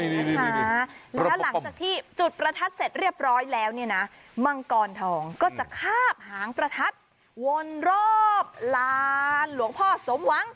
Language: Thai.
แล้วหลังจากที่จุดประทัดเสร็จเรียบร้อยแล้วเนี่ยนะมังกรทองก็จะคาบหางประทัดวนรอบลานหลวงพ่อสมหวัง